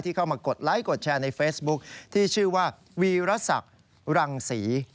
เข้ามากดไลค์กดแชร์ในเฟซบุ๊คที่ชื่อว่าวีรศักดิ์รังศรี